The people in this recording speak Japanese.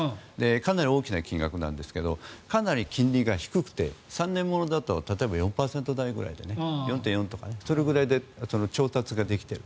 かなり大きな金額なんですがかなり金利が低くて３年ものだと例えば、４％台ぐらいで４．４とかそれぐらいで調達ができている。